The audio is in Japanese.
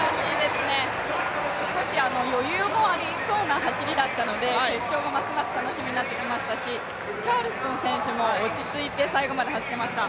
少し余裕もありそうな走りだったので決勝もますます楽しみになってきましたし、チャールストン選手も落ち着いて最後まで走ってました。